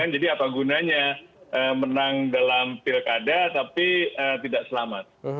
jadi apa gunanya menang dalam pilkada tapi tidak selamat